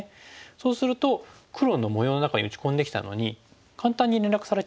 そうすると黒の模様の中に打ち込んできたのに簡単に連絡されちゃうんですよね。